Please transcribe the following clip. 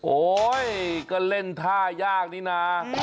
โอ๊ยก็เล่นท่ายากนี่นะ